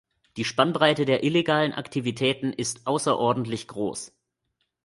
Die Spannbreite der illegalen Aktivitäten ist außerordentlich groß.